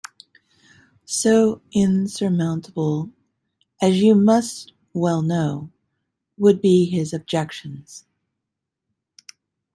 So insurmountable, as you must well know, would be his objections.